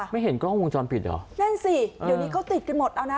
ไม่เห็นกล้องวงจรปิดเหรอนั่นสิเดี๋ยวนี้เขาติดกันหมดเอานะ